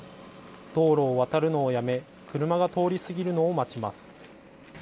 道路を渡るのをやめ車が通り過ぎるのを待ちます。